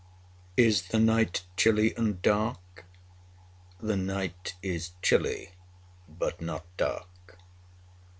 Is the night chilly and dark? The night is chilly, but not dark.